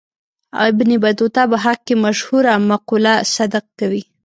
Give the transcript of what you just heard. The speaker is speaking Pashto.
ابن بطوطه په حق کې مشهوره مقوله صدق کوي.